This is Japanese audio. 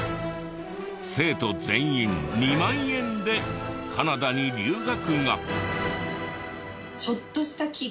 生徒全員２万円でカナダに留学が。